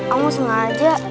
aku mau sengaja